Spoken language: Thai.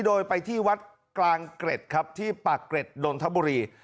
โดยไปที่วัดกลางเกร็ดครับที่ปากเกร็ดนนทบุรี